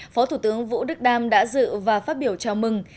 phó thủ tướng vũ đức đam đã dự và phát biểu chào mừng